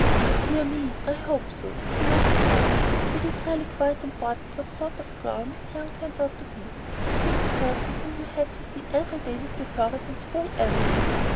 "Dear me, I hope so," remarked Elsie. "It's really quite important what sort of a girl Miss Young turns out to be. A stiff person whom you had to see every day would be horrid and spoil everything.